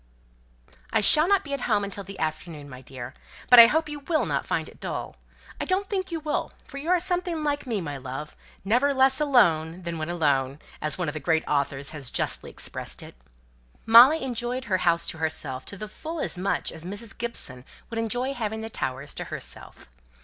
"I shall not be at home until the afternoon, my dear! But I hope you will not find it dull. I don't think you will, for you are something like me, my love never less alone than when alone, as one of the great authors has justly expressed it." Molly enjoyed the house to herself fully as much as Mrs. Gibson would enjoy having the Towers to herself.